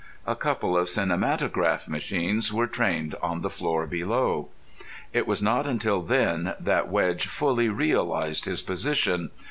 A couple of cinematograph machines were trained on the floor below! It was not until then that Wedge fully realised his position.